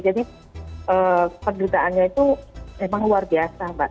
jadi penderitaannya itu memang luar biasa mbak